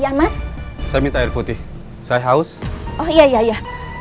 ya mas saya minta air putih saya haus oh iya iya